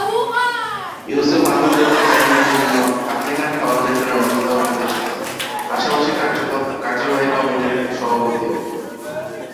ইউসুফ আন্তর্জাতিক আইনের জন্য আফ্রিকান ফাউন্ডেশনের অন্যতম প্রতিষ্ঠাতা, পাশাপাশি এর কার্যনির্বাহী কমিটির সভাপতিও।